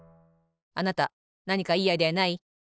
あなたなにかいいアイデアない？